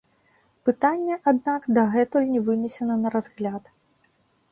Пытанне, аднак, дагэтуль не вынесена на разгляд.